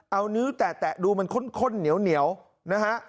เอานิ้วแตะดูมันข้นเหนียวนะฮะ